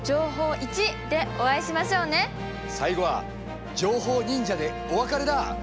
最後は情報忍者でお別れだ！